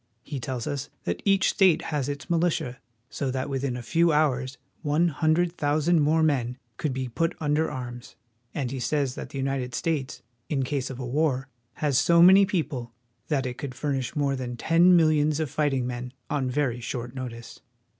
He tells us that each state has its militia, so that within a few hours one hundred thousand more men could be put under arms; and he says that the United States, in case of a war, has so many people that it could furnish more than ten millions of fighting men on very short notice.